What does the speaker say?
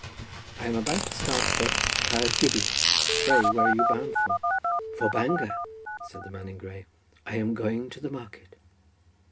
I am about to start for Caer Gybi. Pray where are you bound for?" "For Bangor," said the man in grey. "I am going to the market."